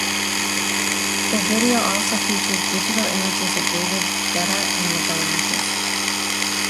The video also features digital images of David Guetta and the Galantis.